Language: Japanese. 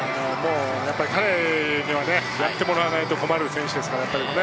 彼にはやってもらないと困る選手ですからね。